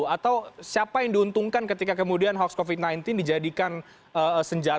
atau siapa yang diuntungkan ketika kemudian hoax covid sembilan belas dijadikan senjata